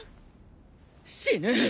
死ぬ！